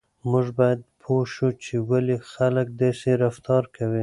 موږ باید پوه شو چې ولې خلک داسې رفتار کوي.